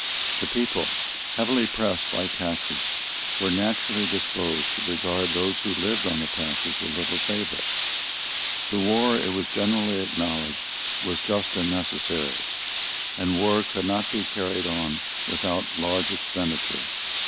The people, heavily pressed by taxes, were naturally disposed to regard those who lived on the taxes with little favour. The war, it was generally acknowledged, was just and necessary; and war could not be carried on without large expenditure.